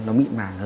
nó mịn màng hơn